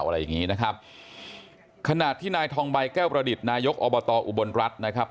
อะไรอย่างงี้นะครับขณะที่นายทองใบแก้วประดิษฐ์นายกอบตอุบลรัฐนะครับ